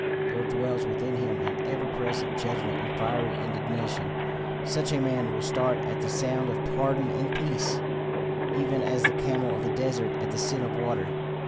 There dwells within him an ever present judgment and fiery indignation. Such a man will start at the sound of pardon and peace, even as the camel of the desert at the scent of water.